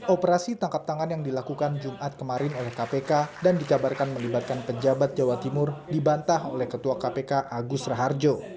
operasi tangkap tangan yang dilakukan jumat kemarin oleh kpk dan dikabarkan melibatkan pejabat jawa timur dibantah oleh ketua kpk agus raharjo